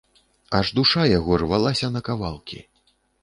Аж душа яго рвалася на кавалкі.